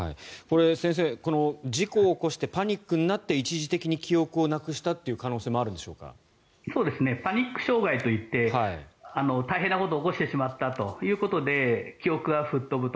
先生、この事故を起こしてパニックになって一時的に記憶をなくしたというパニック障害といって大変なことを起こしてしまったということで記憶が吹っ飛ぶと。